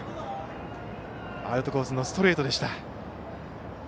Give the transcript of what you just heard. アウトコースのストレートでした。